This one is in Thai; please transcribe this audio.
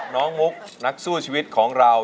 มุกนักสู้ชีวิตของเรา